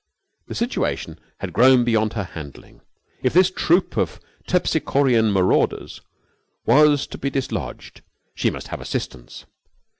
The situation had grown beyond her handling. If this troupe of terpsichorean marauders was to be dislodged she must have assistance.